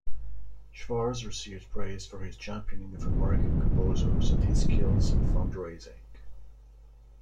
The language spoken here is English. Schwarz received praise for his championing of American composers and his skills in fund-raising.